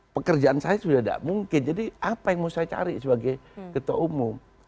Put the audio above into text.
pekerjaan saya sudah tidak mungkin jadi apa yang mau saya cari sebagai ketua umum